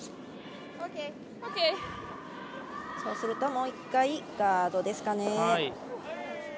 そうするともう１回ガードですかね。